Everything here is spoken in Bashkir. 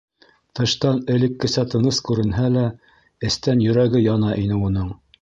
Тыштан элеккесә тыныс күренһә лә, эстән йөрәге яна ине уның.